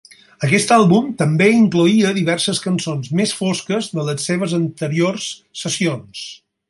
Aquest àlbum també incloïa diverses cançons més fosques de les seves anteriors sessions.